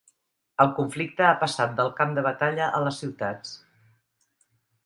El conflicte ha passat del camp de batalla a les ciutats